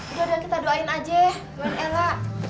udah udah kita doain aja